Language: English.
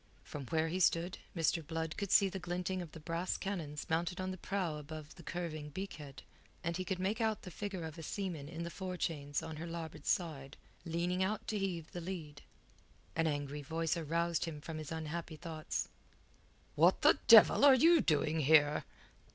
From where he stood, Mr. Blood could see the glinting of the brass cannons mounted on the prow above the curving beak head, and he could make out the figure of a seaman in the forechains on her larboard side, leaning out to heave the lead. An angry voice aroused him from his unhappy thoughts. "What the devil are you doing here?"